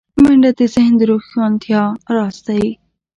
منډه د ذهن روښانتیا راز دی